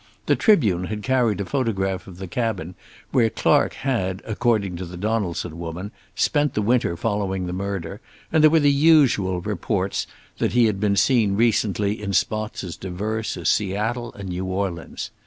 The Tribune had carried a photograph of the cabin where Clark had according to the Donaldson woman spent the winter following the murder, and there were the usual reports that he had been seen recently in spots as diverse as Seattle and New Orleans.